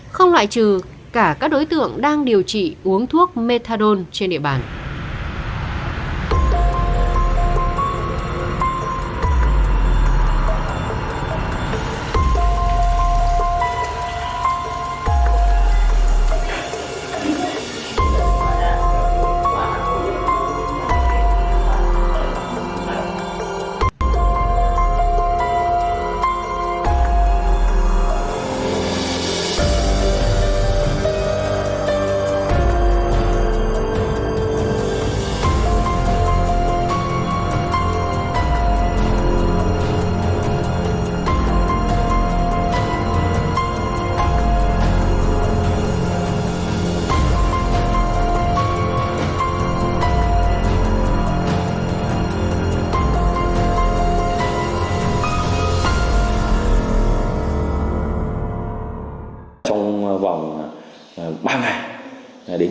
không loại trừ cả các đối tượng đang điều trị uống thuốc methadone trên địa bàn